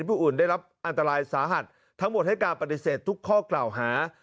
ผู้อื่นได้รับอันตรายสาหัสทั้งหมดให้การปฏิเสธทุกข้อกล่าวหา